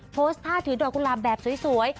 โพสต์ท่าถือดอกกุหลาบแบบสวย